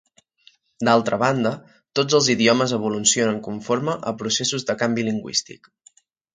D'altra banda, tots els idiomes evolucionen conforme a processos de canvi lingüístic.